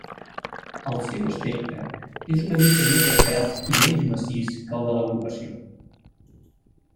El seu aspecte és una mica més esvelt i menys massís que el de l'agrupació.